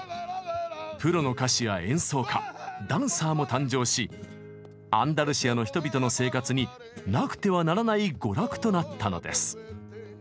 プロの歌手や演奏家ダンサーも誕生しアンダルシアの人々の生活になくてはならない娯楽となったのです。